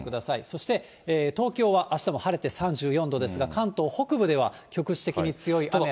そして東京はあしたも晴れて３４度ですが、関東北部では、局地的に強い雨や雷雨。